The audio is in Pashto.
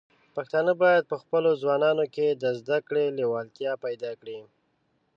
پښتانه بايد په خپلو ځوانانو کې د زده کړې لیوالتیا پيدا کړي.